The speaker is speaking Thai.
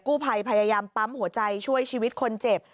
ภัยพยายามปั๊มหัวใจช่วยชีวิตคนเจ็บ